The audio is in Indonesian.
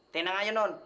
tenang aja non